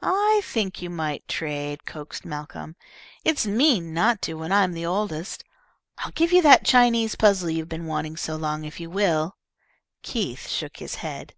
"I think you might trade," coaxed Malcolm. "It's mean not to when I'm the oldest. I'll give you that Chinese puzzle you've been wanting so long if you will." Keith shook his head.